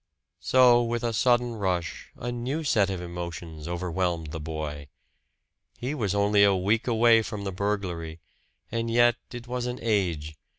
So with a sudden rush, a new set of emotions overwhelmed the boy. He was only a week away from the burglary; and yet it was an age.